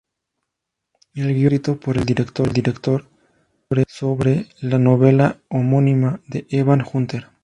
El guion fue escrito por el director sobre la novela homónima de Evan Hunter.